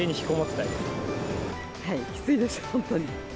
きついです、本当に。